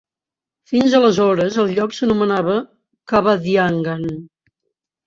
Fins aleshores, el lloc s'anomenava Cabadyangan.